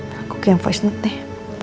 aku ke yang voice note deh